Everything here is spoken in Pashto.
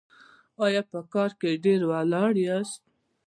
ایا په کار کې ډیر ولاړ یاست؟